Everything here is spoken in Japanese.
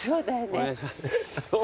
お願いします。